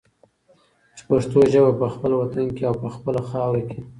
چې پښتو ژبه په خپل وطن کې او په خپله خاوره کې